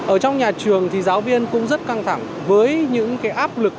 ở trong nhà trường thì giáo viên cũng rất căng thẳng với những cái áp lực